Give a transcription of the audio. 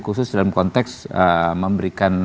khusus dalam konteks memberikan